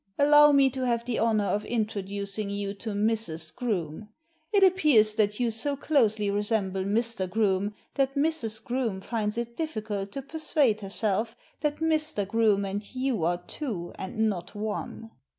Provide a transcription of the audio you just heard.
Allow me to have the honour of intro ducing you to Mrs. Groome. It appears that you so closely resemble Mr. Groome that Mrs. Groome finds it difficult to persuade herself that Mr. Groome and you are two, and not one."